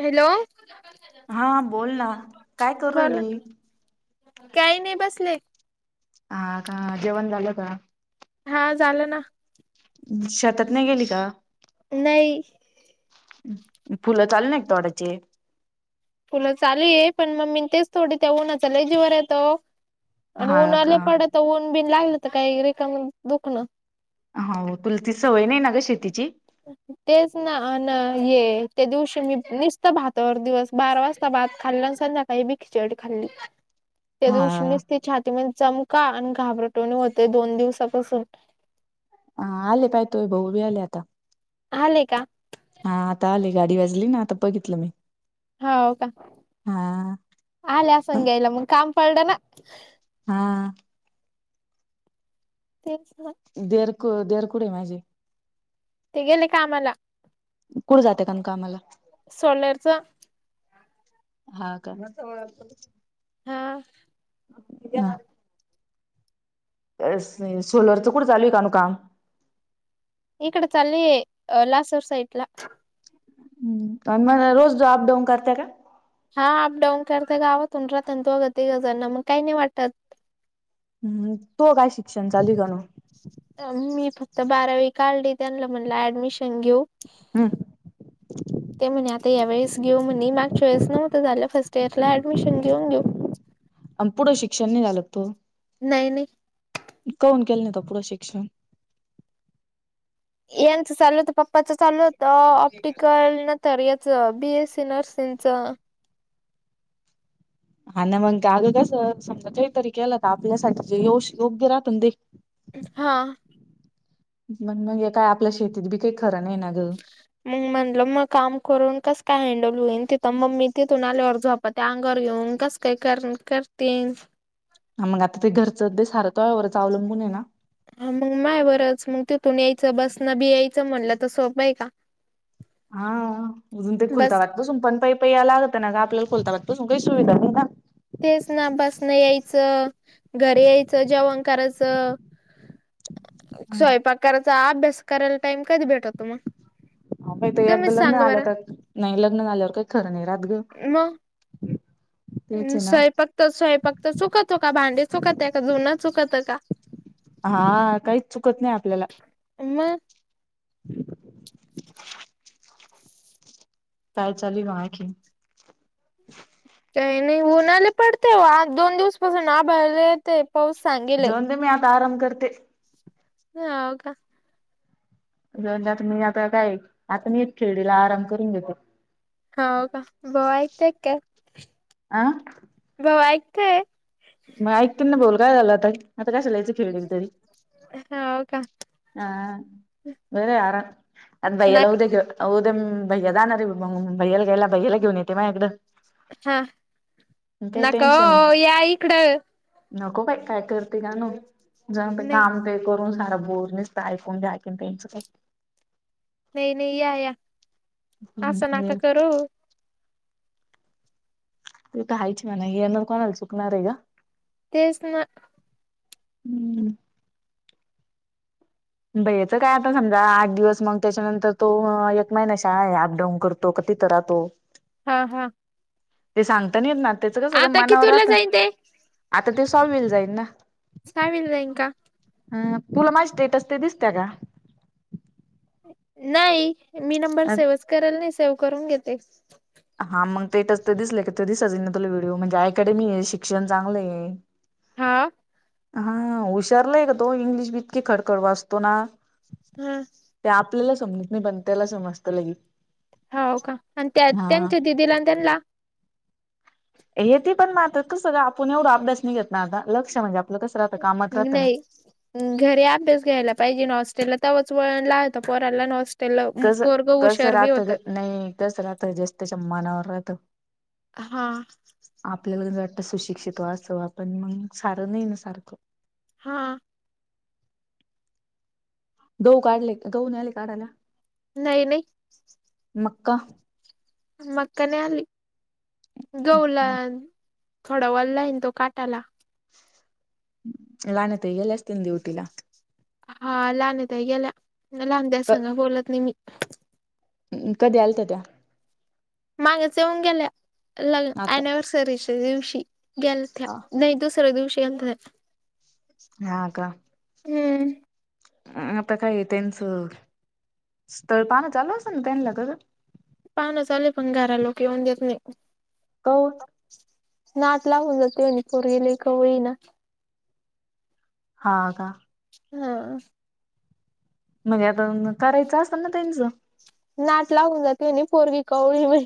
Hello [inaudible] हां, बोलना, काय करू रायली? काई नाई, बसले. हां का, जेवण झालं का? हां, झालं ना. शेतात, नही गेली का? नाही फुलं चालू नही का, तोडायचे? फुलं चालू ये, पण मम्मीन तेच तोडीत्या, उन्हाचं लई जीवावर येतं, ओ. आणि हा उन लई का? पडतं, उन-बिन लागल त, काही रिकामं दुखणं. हाव, तुला ती सवय नही ना गं, शेतीची? तेच ना, अन हे त्या दिवशी, मी निस्त भातावर दिवस बारा वाजता भात खाल्ला, अन संध्याकाळी बी खिचडी खाल्ली, त्या दिवशी, हा निस्ती छा ती म चमका आणि घाबरटवाणी होतंय, दोन दिवसापासून. आले पाय, तुये भाऊ बी, आले आता. आले का? हां, आता आले, गाडी वाजली ना, आता बघितलं मी. हा का? हा आला असन घ्यायला, मंग काम पलंड ना. हा. तेच ना. देर क, देर कुडय माझे? ते गेले, कामाला. कुढ जात्या, का न कामाला? सोलरच. हा का! हा! [unintelligible] अस न, सोलरचं कुढ चालूय कानू काम? इकडं चालूये अ लासूर साईटला. अन मन्या रोज अपडाऊन करत्या का? हा अपडाऊन करत्या गावातुन राहत्या ना दोघ तीघ जणं, मग काही नाही वाटतं. हं तुह काय शिक्षण चालूय कानू? अ मी फक्त बारावी काढली त्यानला म्हणलं ऍडमिशन घेऊ. हू! ते म्हणे आता यावेळेस घेऊ म्हणे, मागच्या वेळेस नव्हतं झालं फर्स्ट इयरला ऍडमिशन घेऊन घेऊ. अन पुढं शिक्षण नाही झालं का तुह? नाही नाही काहून केलं नाही तुवा पुढं शिक्षण! यांचं चालल होत, पप्पाच चालल होत ऑप्टिकल न याचं बी ए सी नर्सिंगचं. हाना मंग का अग कसं समजा काहीतरी केलं त आपल्यासाठी जे योश योग्य राहत ना ते. हां! मंग मंग हे काय आपल्या शेतीत बी काही खरं नाही ना ग! मग म्हणलं म काम करून कसं काय हँडल होईन, तिथं मम्मी तिथून आल्यावर झोप पत्या अंगावर घेऊन कसं काय कर-करतीन. हा मंग आता ते घरचं ते सार तोह्या वरच अवलंबून हे ना? हा मंग माह्या वरच, मंग तिथून यायचं बसनं बी यायचं म्हणलं त सोपं आहे का? हां उजून ते बस खुलताबाद बुसून पण पाई, पाई या लागतं ना ग आपल्याला खुलताबाद पासुन काही सुविधा नही ना! तेच ना बसन यायचं घरी यायचं जेवण कराचं. स्वयंपाक करायचा अभ्यास करायला टाइम कधी भेटततो मंग! हा नयी त एकदा लग्न आलं का, नही लग्न झाल्यावर काही खरं नही राहत ग! तेच नं आहे ना स्वयपाक त, स्वयंपाक त चुकतो का, भांडे चुकत्या का, धून चुकतं का? हा काहीच चुकत नाही आपल्याला. मं! [inaudible] काय चालूयं ग आखीन. काही नाही उन्हा लयी पडतयं आज दोन दिवस पासून आभाळ लय येतयं. हो सांग! जाऊन दे मी आता आराम करते. हो का! जाऊ दें आता मी आता काय, आता मी एक खेडीला आराम करून घेते. हो का भाऊ यांकताय काय, अ भाऊ ऐकतोय. म ऐकतील भाऊला काय झालं आता आता राशदला यायचंय. ह हो का! हा बरयं आरा अनं भैयाला नका उदया घेऊ उदया मं भैय्या जाणारये मंग भैयाला घ्यायला भैय्याला घेऊन येते मायांकडं! हा नका टेन्शन ओ नाही या इकडं. नको बाई काय करते कानू, जाऊन ते नाही कांमते! करून सारा बोर नीसत ऐकून घ्या आयकीन त्यांच कायं! नाही नाही या या असं काय नका करू. ते तर हायच म्हणाय येणार कोणाल चुकणार आहे का. तेच ना. हम्म. भैयाचं काय आता समजा आठ दिवस मग त्याच्यानंतर तो एक महिना शाळा आहे अप-डाऊन करतो का तिथं राहतो. [inaudible] हा हा. ते सांगता नाही येत ना त्याच कसं गं आता मनावर कितवीला राहतं. जाईन ते आता ते साहवीला जाईन ना. सहाविला जाईन का? हम्म तुला माझी स्टेटस ते दिसते का? नाही मी नंबर सेव्हच करेल नाही सेव्ह करून घेते. हा मग ते स्टेटस ते दिसले क ते दिसच ही ना तुला व्हिडिओ म्हणजे अकॅडमी आहे शिक्षण चांगलं आहे. हा. हा हुशार लय गं तो इंग्लिश बी इतकी खडखड वाचतो ना. हां. त्या आपल्याला समजत नाही पण त्याला समजत लगे. हवप का आणि त्या हा त्यांच्या दिदीला आणि त्यांला येते पण म आता तो सगळं आपण एवढं अभ्यास नी घेत ना आता लक्ष म्हणजे आपलं कसं राहतं कामात राहतं ना. नाही घरी अभ्यास घ्यायला पाहिजे ना हॉस्टेलला तेव्हाच वळनला येतो पोरानला ना हॉस् कसं कसं राहत गं नाही कसं राहतं जश त्याच्या मनावर राहतं. हा. आपल्याला क नी वाटतं सुशिक्षित वा असं वा पण मंग सारं नाही ना सारखं. हा. दोऊ काढले गहूं न्याले काढायला. नाही नाही. मक्का मक्का नाही आली गहूं लान खडवाल लाहीन तो काटाला. लाणे ताई गेल्या असतीन ड्युटीला. हा लाणे ताई गेल्या लहानद्या संग बोलत नाही मी. उ उम्म कधी आलत्या त्या? मागेच येऊन गेल्या लग आता एनिव्हर्सरीच्या दिवशी. गेलथया नाही दुसर्या दिवशी आलथया. हा का. हम्म. अ आता काय त्यांचा स्थळ पान चालू असल ना त्यांला का गं? पाहनं चालू पण घरा लोक येऊन देत नाही. कौन नाट लावून जाते आणि पोरगी लय जाते कवळी ना. हा का. हां. म्हणजे आता न कारायच असतं ना त्यांचा. नाट लागून जाते नी पोरगी कवळीय बाई.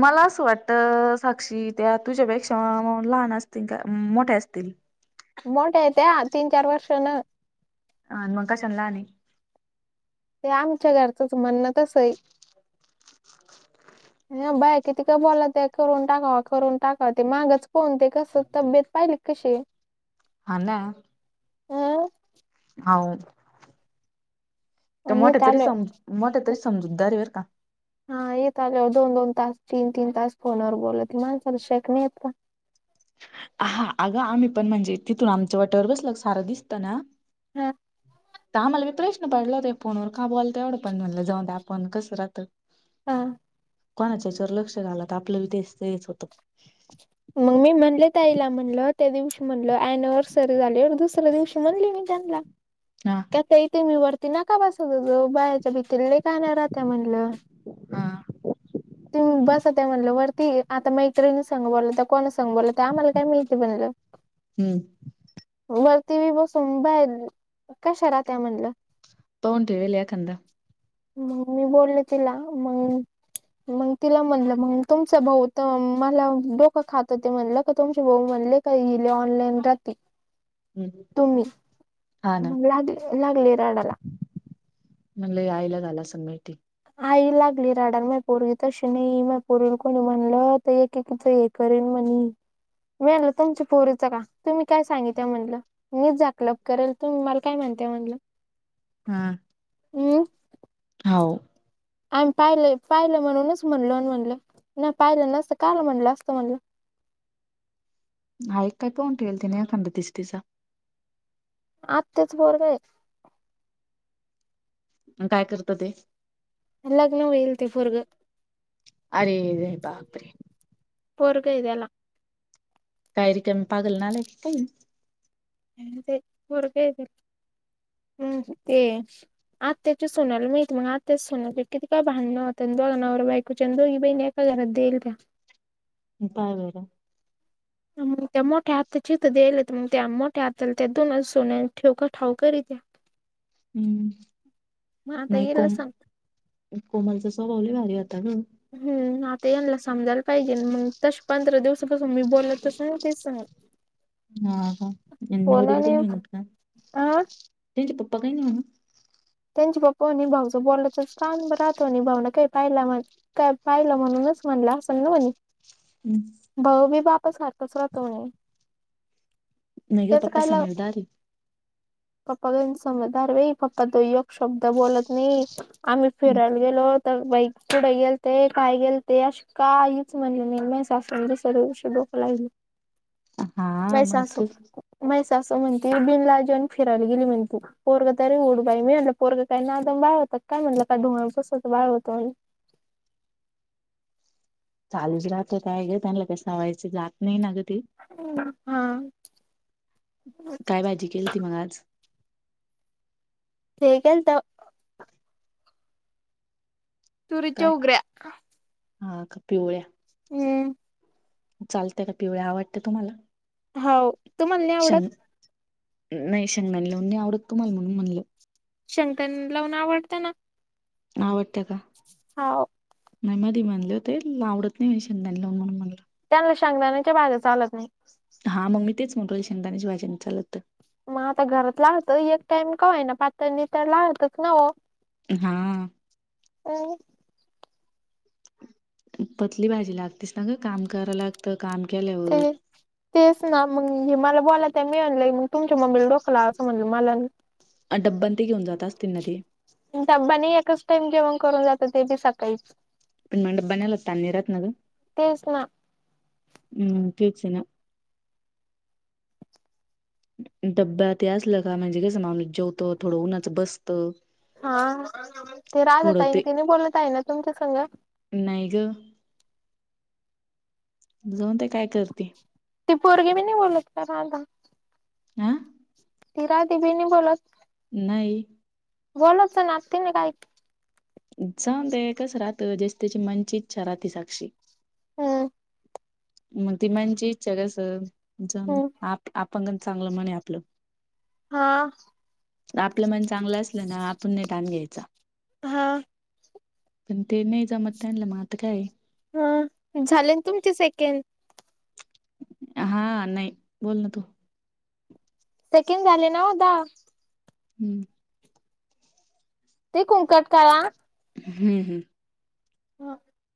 मला असं वाटतं साक्षी त्या तुजा पेक्षा मग लहान असतीन का मोठ्या असतील. मोठ्या आहे त्या तीन-चार वर्षा ना. आन मग कशान नाही आली. ते आमच्या घरचच म्हणन तस हाय. [unintelligible] ह बाय किती का बोला ते करून टाकाव. करून टाकाव. ते मागच कोण ते. कस तब्येत पाहिली कशी आहे. हा ना. अं हाउ. तर आणि मोठ्या इथं तरी आलोय समजू मोठ्या तरी समजूतदार आहे बर का? हा येत आलेवर दोन-दोन तास, तीन-तीन तास फोनवर बोलते. माग लोक ना शेक नाही येत का? हा अगं आम्ही पण म्हणजे तिथून आमच वाटावर बसलना की सार दिसत ना. ह. इत आम्हाला मी प्रश्न पडला होता फोनवर का बोलताय तेवढ पण. म्हणटल जाऊ द आपण कस राहत ह. कोणाच्या हेच्यावर लक्ष घालात आपल्याला तेच तेच मग मी म्हणले ताईला म्हणल त्या दिवशी म्हणल अनिव्हर्सरी झाली. दुसऱ्या दिवशी म्हणले मी त्यांना. हा. का ताई तुम्ही वरती नका बसव जाऊ बायाच्या भीती नाही काण्या राहत्या म्हणटल. हा. ह त बस त्या म्हणल वरती आता मैत्रिणी सांग बोलता का कोणा सांग बोलता आम्हाला काय माहिती म्हनल. ते वरती बी बसून बाहेर. कशा राहत्या म्हणल. तोउन ठेवल‌ एखादा. मग मी बोललो तिला मग मग तिला म्हणल मग तुमच भाऊ तर मला डोक खात ते म्हणल. का तुमचे भाऊ म्हणले काहिले ऑनलाईन हम्म तुम्ही. हा ना मग लाग लागली रडायला. म्हणलं आईला झाला असल मीटिंग. आई लागली रडायला मय पोरवी तशी नाही मय पोरवील कोणी म्हणल तर एकीच एकीच करेन म्हणे. मी बेन तुमच्या पोरीच का? तुम्ही काय सांगितल म्हटलं. मी जाकलाय करेल. तुम्ही मला काय म्हणतेय म्हणल. हा. ह. हाव. आम्ही पाहिलं पाहिलं म्हणूनच म्हणल आणि म्हणलं ना पाहिलं नसत का म्हणलं असतं म्हणलं. हाय काय पाहून ठेवला तिने एखादा तीच तिचा. आत्याचा पोरगा आहे. काय करत ते? लग्ण होईल ते पोरगं. अरे रे बापरे! पोरगं हे त्याला. काही रिकमी पागल नालायक आहे काय ही. ते पोरगं हे. काय हम् ते. आत्याच्या सोनाला माहिती मग आत्याच्या सोनची किती काय भांडण होतं दोन नावर बायकूच्या दोघी बहिणी एका घरात दे ईल त्या. पाय बरं. मग त्या मोठ्या आत्या च्या इथ देईले, तर मग त्या मोठ्या आत्याला त्या दोन सुना ठेऊ का ठाऊ करी त्या. हम्म, मग आता नाही याला कोम, सांग कोमलचा स्वभाव लई भारी होता ग. हम् आता यांनला समजायला पाहिजे ना मंग, तश पंधरा दिवसापासून मी बोलतच नाही ती संग. [inaudible] हा हा [unintelligible] फोनाने अ त्यांचे पप्पा काही नाही म्हनत? त्यांचे पप्पा म्हणे भाऊचं बोलायचच काम राहत म्हणे, भाऊला काय पाहिला [unintelligible] काय पाहिलं म्हणूनच म्हणलं असेल ना म्हणे. हम्. भाऊ बी बापा सारखाच राहतो म्हणे. नाही ग त्याच पप्पा काय ला, समजदार आहे. पप्पा [unintelligible] समजदार बाई! पप्पा तो यक शब्द बोलत नही. आम्ही हम्म. फिरायला गेलो तर बाई, कूडे गेलते? काय गेलते? अश काहीच म्हणलं नाही. माझ्या सासू [unintelligible] [inaudible] माई मग सासू तेच माई सासू म्हणती बिनलाजेन फिरायला गेली म्हणे तू, पोरग [unintelligible] पोरग काय नादम बाळ होत क काय? म्हणलं का ढोळ बसवतं बाळ होत चालूच राहत काय ग? त्यांना ते सवयचे जात नाही ना ग ती? हा. काय भाजी केलती मग आज? हे केलंत. तुरीच काय? उग्र्या. हा का पिवळ्या? हम्म. चालतय का? पिवळ्या आवडते तुम्हाला? हाव, तुम्हाला नाही आवडत? शेंग नाही, शेंगदाणे लावून नाही आवडत तुम्हाला म्हणून म्हनल. शगदान लावून आवडत ना. आवडतं का? हाव. नाही मधी म्हनले होते, तूला आवडत नाही शेंगदाण लावून, म्हणून म्हणलं. त्यांना शेंगदाण्याच्या भाज्या चालत नाही. हा मग मी तेच म्हनतोय, शेंगदाण्याची भाजी नाही चालत तर मग आता घरात लाहत, एक टाइम का होईना पातळ नितळ लाहतच ना ओ हा. अ. पतली भाजी लागतेस ना ग, काम करा लागतं, काम ते केल्यावर तेच ना मग हे मला बोलात्या, मि म्हणलं एक तुमच्या मम्मीला डोक लावाचं म्हनलं मला नई अन डब्बा न ते घेऊन जात असतील ना ते? डब्बा नाही एकच टाइम जेवण करून जातात ते बी सकाळीच पण म डब्बा नेल का ताण नाही राहात ना ग. तेच ना हुं तेच ना. डब्बा ते असलं का म्हणजे कस माणूस जेवतो, थोडं उन्हाचं बस तो. हा, ते राधा ताई न ते नाही बोलत आहे ना तुमच्या संग? नाही ग. जाऊन दे काय करती. ती पोरगी बी नाही बोलत का राधा? आ ती राधी बी नाही बोलत. नाही बोलतज ना आता तीनं काय जाऊन दे कसं राहतं, ज्याची त्याची मंची इच्छा राहती साक्षी हम्म मग ति मनची इच्छा कसं जाऊ दे, हम्म आप आपणंगण चांगलं म्हणे आपलं हा आपलं मन चांगलं असलं ना आपण नाही ताण घ्यायचा. हा पण ते नाही जमत त्यानला मग आता काय हं झालेन तुमचे सेकंड हा, नाही, बोल ना तू सेकंड झाले ना ओ धा हम्म ते कुंकट काळा हम्म हम्म ह्ह्ह